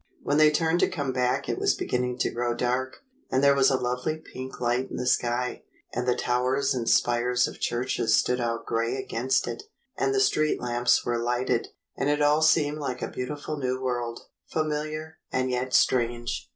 When they turned to come back it was beginning to grow dark, and there was a lovely pink light in the sky, and the towers and spires of churches stood out gray against it, and the street lamps were lighted, and it all seemed like a beautiful new world, familiar and yet strange.